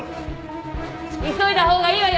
急いだ方がいいわよ